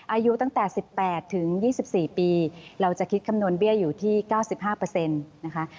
อายุตั้งแต่๑๘ถึง๒๔ปีเราจะคิดคำนวณเบี้ยอยู่ที่๙๕นะคะ